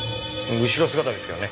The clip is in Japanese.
後ろ姿ですけどね。